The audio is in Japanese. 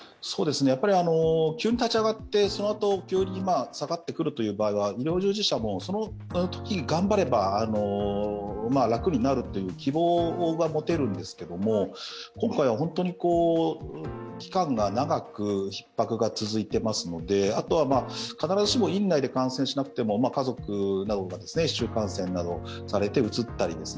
急に立ち上がって、そのあと、急に下がってくる場合は医療従事者も、そのとき頑張れば楽になるという希望は持てるんですけれども今回は本当に期間が長くひっ迫が続いていますので、あとは、必ずしも院内で感染しなくても家族などが市中感染などをされてうつったりなどですね